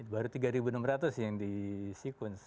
baru tiga enam ratus sih yang disequence